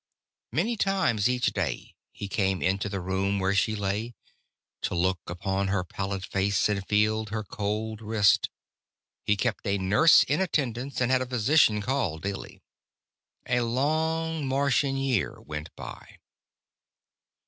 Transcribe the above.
Many times each day he came into the room where she lay, to look into her pallid face, and feel her cold wrist. He kept a nurse in attendance, and had a physician call daily. A long Martian year went by.